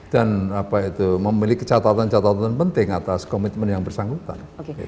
dan memiliki catatan catatan penting atas commitment yang bersanggutan